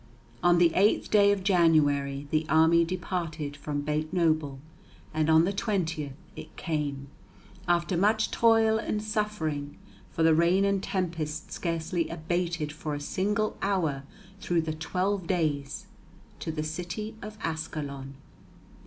On the 8th day of January the army departed from Beitenoble, and on the 20th it came, after much toil and suffering, for the rain and tempest scarcely abated for a single hour through the twelve days, to the city of Ascalon.